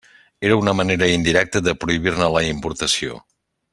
Era una manera indirecta de prohibir-ne la importació.